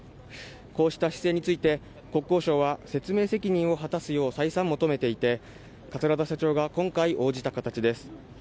こうした姿勢について国交省は説明責任を果たすよう再三求めていて桂田社長が今回応じた形です。